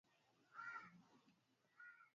Alipigwa risasi wakati akicheza mchezo wa bao n